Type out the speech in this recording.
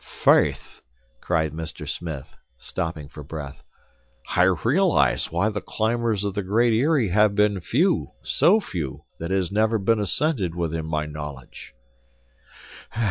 "Faith!" cried Mr. Smith, stopping for breath. "I realize why the climbers of the Great Eyrie have been few, so few, that it has never been ascended within my knowledge."